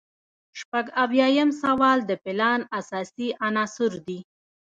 شپږ اویایم سوال د پلان اساسي عناصر دي.